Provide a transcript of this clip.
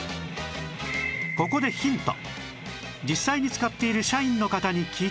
ここでヒント